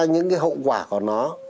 những cái hậu quả của nó